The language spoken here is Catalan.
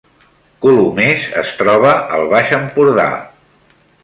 Colomers es troba al Baix Empordà